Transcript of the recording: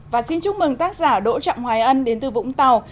và xin chúc mừng tác giả đỗ trọng hoài ân đến từ vũng tàu